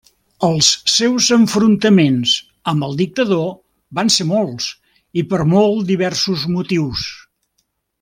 Els seus enfrontaments amb el dictador van ser molts i per molt diversos motius.